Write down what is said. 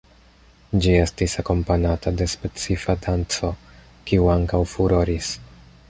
Ĝi estis akompanata de specifa danco, kiu ankaŭ furoris.